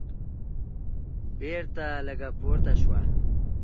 بېرته لږه پورته شوه.